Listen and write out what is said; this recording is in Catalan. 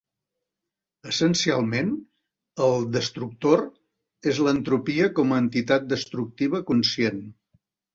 Essencialment, el "Destructor" és l'entropia com a entitat destructiva conscient.